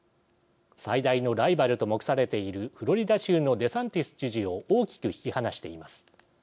最大のライバルと目されているフロリダ州のデサンティス知事を大きく引き離しています。